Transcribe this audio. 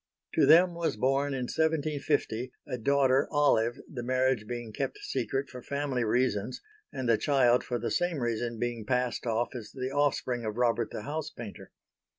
To them was born, in 1750, a daughter Olive, the marriage being kept secret for family reasons, and the child for the same reason being passed off as the offspring of Robert the housepainter.